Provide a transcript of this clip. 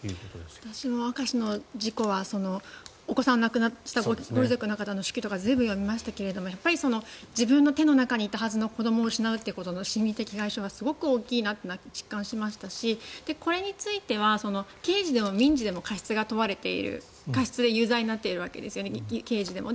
私も明石の事故はお子さんを亡くしたご遺族の方の手記とか随分読みましたけれど自分の手の中にいたはずの子どもを失うってことの心理的外傷がすごく大きいなと実感しましたしこれについては刑事でも民事でも過失が問われている過失で有罪になっているわけです刑事でも。